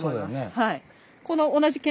はい。